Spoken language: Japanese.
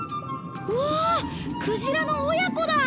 うわあクジラの親子だ！